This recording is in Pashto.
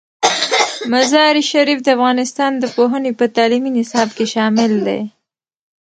مزارشریف د افغانستان د پوهنې په تعلیمي نصاب کې شامل دی.